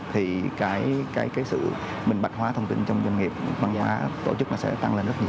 thì cái sự minh bạch hóa thông tin trong doanh nghiệp văn hóa tổ chức nó sẽ tăng lên rất nhiều